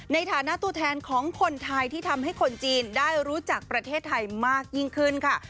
ในฐานะตัวแทนของคนไทยที่ทำให้คนจีนได้รู้จักประเทศไทยมากยิ่งขึ้นค่ะ